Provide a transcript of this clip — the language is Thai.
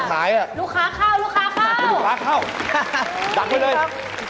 เหอะเฮ๊ะเฮ๊ะ